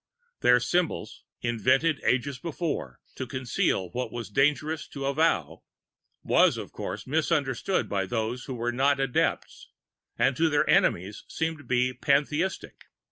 Their symbolism, invented ages before, to conceal what it was dangerous to avow, was of course misunderstood by those who were not adepts, and to their enemies seemed to be pantheistic.